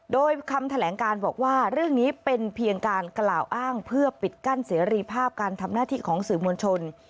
โดยคำแถลงการบอกว่าเรื่องนี้เป็นเพียงการกล่าวอ้างเพื่อปิดกั้นเสรีภาพการทำหน้าที่ของสื่อมวลชน